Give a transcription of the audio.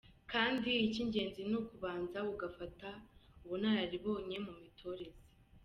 Kandi icy’ingenzi ni ukubanza ugafata ubunararibonye mu mitoreze.